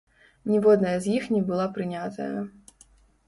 Ніводная з іх не была прынятая.